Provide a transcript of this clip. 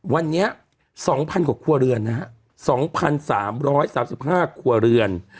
วันนี้สองพันกว่าครัวเรือนนะฮะสองพันสามร้อยสามสิบห้าครัวเรือน